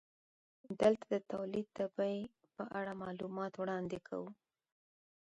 دلته د تولید د بیې په اړه معلومات وړاندې کوو